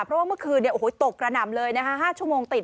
เพราะว่าเมื่อคืนตกกระหน่ำเลยนะคะ๕ชั่วโมงติด